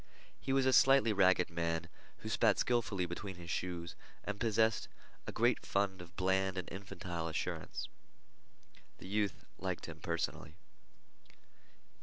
He was a slightly ragged man, who spat skillfully between his shoes and possessed a great fund of bland and infantile assurance. The youth liked him personally.